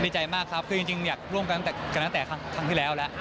ดีใจมากครับคือจริงอยากร่วมกันตั้งแต่ครั้งที่แล้วแล้ว